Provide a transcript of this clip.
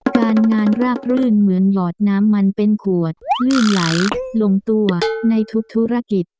การงานราบรื่นเหมือนหยอดน้ำมันเป็นขวดลื่นไหลลงตัวในทุกธุรกิจ